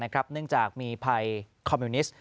เนื่องจากมีภัยคอมมิวนิสต์